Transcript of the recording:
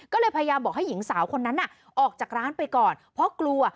ก็เลยพยายามบอกให้หญิงสาวคนนั้นออกจากร้านไปก่อนเพราะกลัว